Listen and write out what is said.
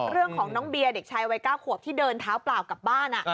เรื่องของน้องเบียร์เด็กชายวัย๙ขวบที่เดินเท้าเปล่ากลับบ้าน